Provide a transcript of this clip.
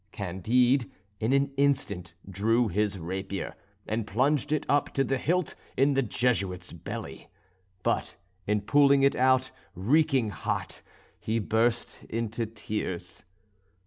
Candide in an instant drew his rapier, and plunged it up to the hilt in the Jesuit's belly; but in pulling it out reeking hot, he burst into tears.